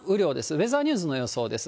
ウエザーニュースの予想です。